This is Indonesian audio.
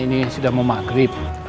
jadi semua ini anak ketiga